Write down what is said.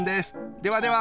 ではでは！